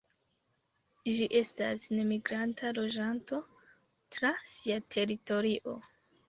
Ĝi estas nemigranta loĝanto tra sia teritorio.